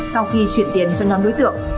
sau khi chuyển tiền cho nhóm đối tượng